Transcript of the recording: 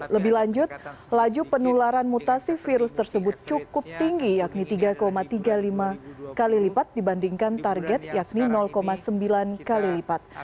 lebih lanjut laju penularan mutasi virus tersebut cukup tinggi yakni tiga tiga puluh lima kali lipat dibandingkan target yakni sembilan kali lipat